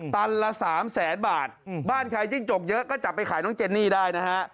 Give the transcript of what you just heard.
ละสามแสนบาทบ้านใครจิ้งจกเยอะก็จับไปขายน้องเจนนี่ได้นะฮะ